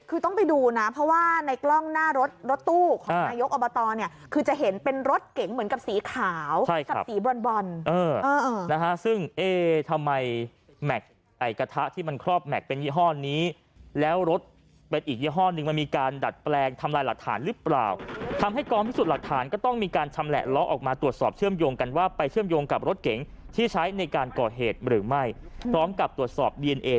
คือต้องไปดูนะเพราะว่าในกล้องหน้ารถรถตู้ของนายกนะเยิ๊บอ